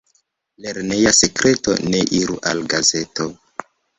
Lerneja sekreto ne iru al gazeto.